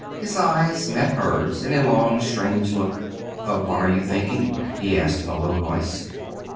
His eyes met hers in a long, strange look. "Of what are you thinking?" he asked in a low voice.